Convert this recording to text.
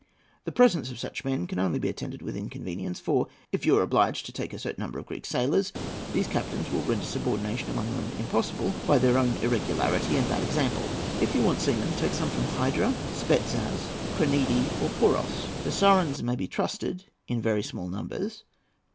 The presence of such men can only be attended with inconvenience, for, if you are obliged to take a certain number of Greek sailors, these captains will render subordination among them impossible by their own irregularity and bad example. If you want seamen, take some from Hydra, Spetzas, Kranidi, or Poros. The Psarians may be trusted in very small numbers.